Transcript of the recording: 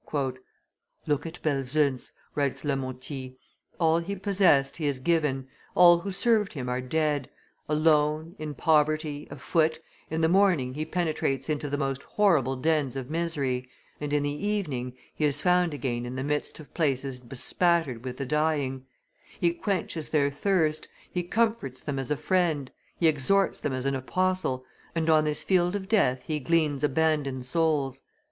"Look at Belzunce," writes M. Lemontey; "all he possessed, he has given; all who served him are dead; alone, in poverty, afoot, in the morning he penetrates into the most horrible dens of misery, and in the evening, he is found again in the midst of places bespattered with the dying; he quenches their thirst, he comforts them as a friend, he exhorts them as an apostle, and on this field of death he gleans abandoned souls.